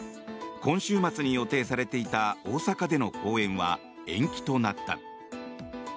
今週末に予定されていた大阪での公演は延期となった。